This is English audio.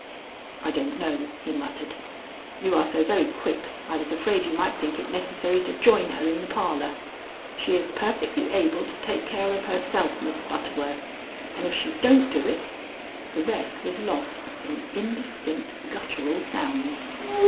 "I don't know," he muttered. "You are so very quick I was afraid you might think it necessary to join her in the parlor. She is perfectly able to take care of herself, Miss Butterworth, and if she don't do it " The rest was lost in indistinct guttural sounds.